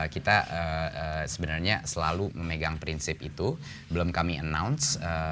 kita sebenarnya selalu memegang prinsip itu belum kami announce